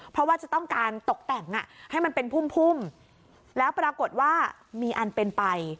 เพราะว่าจะต้องการตกแต่งให้มันเป็นพุ่มพุ่มแล้วปรากฏว่ามีอันเป็นไป